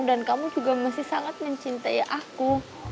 kamu juga masih sangat mencintai aku